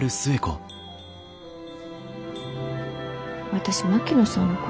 私槙野さんのこと